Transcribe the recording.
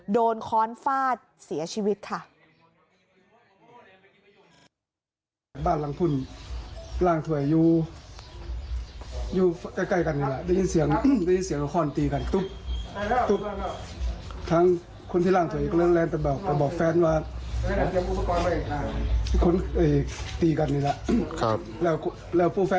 ค้อนฟาดเสียชีวิตค่ะ